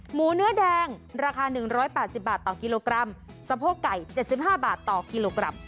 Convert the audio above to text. หมูเนื้อแดงราคา๑๘๐บาทต่อกิโลกรัมสะโพกไก่๗๕บาทต่อกิโลกรัม